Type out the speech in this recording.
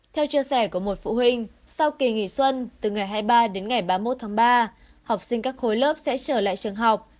theo chia sẻ của một phụ huynh sau kỳ nghỉ xuân từ ngày hai mươi ba đến ngày ba mươi một tháng ba học sinh các khối lớp sẽ trở lại trường học